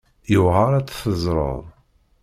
Yewεer ad tt-teẓreḍ.